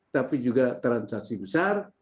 tapi juga transaksi besar